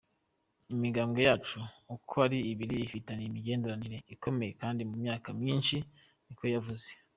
"Imigambwe yacu ukwo ari ibiri ifitaniye imigenderanire ikomeye kandi ku myaka myinshi," niko yavuze.